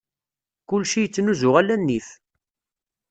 Kulci ittnuzu ala nnif.